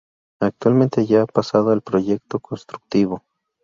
Actualmente ya ha pasado el proyecto constructivo.